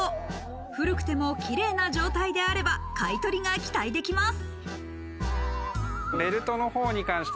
古くてもキレイな状態であれば買取が期待できます。